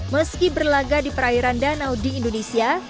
meski berlaga di perairan danau di indonesia